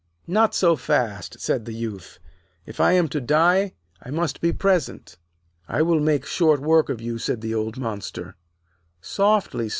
'Not so fast,' said the Youth. 'If I am to die, I must be present.' 'I will make short work of you,' said the old monster. 'Softly!